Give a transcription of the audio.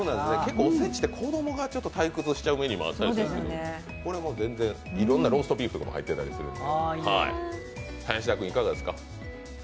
おせちって子供が退屈しちゃうメニューあるんですけどこれ全然、いろんなローストビーフとかも入ってたりするんで。